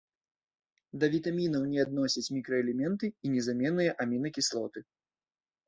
Да вітамінаў не адносяць мікраэлементы і незаменныя амінакіслоты.